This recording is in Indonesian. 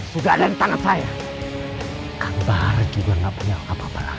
dia akan menemukan tempat di bawah pungut kang bahar